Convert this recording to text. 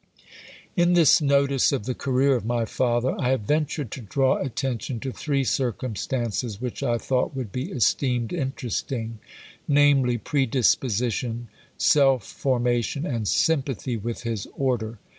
In this notice of the career of my father, I have ventured to draw attention to three circumstances which I thought would be esteemed interesting; namely, predisposition, self formation, and sympathy with his order.